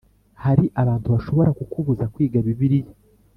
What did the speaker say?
Hari abantu bashobora kukubuza kwiga bibiliya